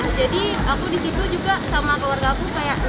aku di situ juga sama keluarga aku kayak